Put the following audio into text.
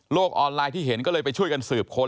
ออนไลน์ที่เห็นก็เลยไปช่วยกันสืบค้น